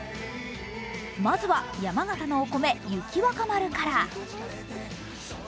まずは山形のお米、雪若丸から。